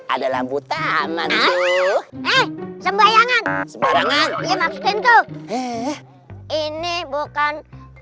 ada lampu taman tuh sembarangan sembarangan ini bukan